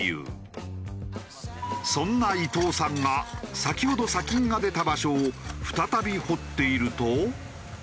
そんな伊藤さんが先ほど砂金が出た場所を再び掘っていると。